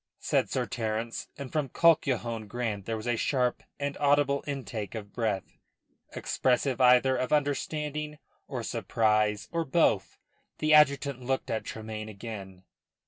said Sir Terence, and from Colquhoun Grant there was a sharp and audible intake of breath, expressive either of understanding, or surprise, or both. The adjutant looked at Tremayne again.